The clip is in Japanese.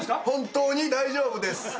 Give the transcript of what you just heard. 本当に大丈夫です。